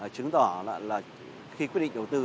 chứng tỏ là khi quyết định đầu tư